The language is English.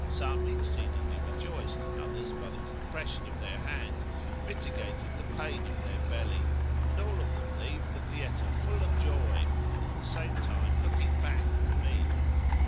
Some exceedingly rejoiced; others, by the compression of their hands, mitigated the pain of their belly; and all of them leave the theatre full of joy, and at the same time looking back on me.